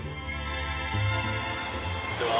こんにちは。